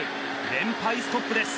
連敗ストップです。